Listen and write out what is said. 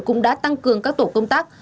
cũng đã tăng cường các tổ công tác